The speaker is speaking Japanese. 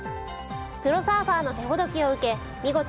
プロサーファーの手ほどきを受け見事